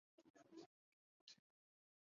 此作为作者久慈进之介的首部连载作品。